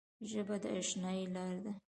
ژبه د اشنايي لاره ده